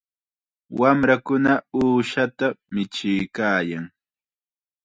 Wamrakuna uushata michiykaayan.